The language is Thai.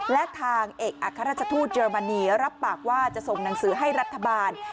และทางเอกอัครราชทูตเยอรมนีรับปากว่าจะส่งหนังสือให้รัฐบาล